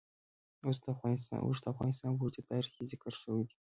اوښ د افغانستان په اوږده تاریخ کې ذکر شوی دی.